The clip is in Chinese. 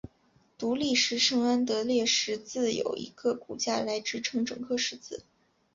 独立式圣安得烈十字有一个骨架来支撑整个十字。